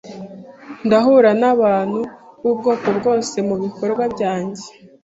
Ndahura nabantu b'ubwoko bwose mubikorwa byanjye.